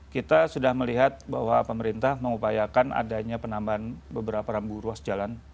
kita sudah melihat bahwa pemerintah mengupayakan adanya penambahan beberapa rambu ruas jalan